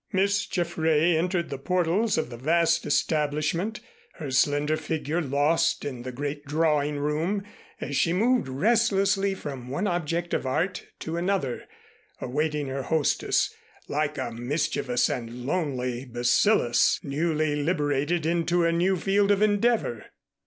Miss Jaffray entered the portals of the vast establishment, her slender figure lost in the great drawing room, as she moved restlessly from one object of art to another awaiting her hostess, like a mischievous and lonely bacillus newly liberated into a new field of endeavor.